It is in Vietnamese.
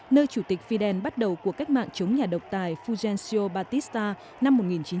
nơi chủ tịch fidel bắt đầu cuộc cách mạng chống nhà độc tài fulgencio batista năm một nghìn chín trăm năm mươi ba